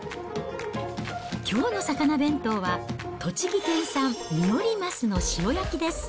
きょうの魚弁当は、栃木県産三依鱒の塩焼きです。